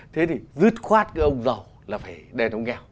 thế thì rứt khoát cái ông giàu là phải đền ông nghèo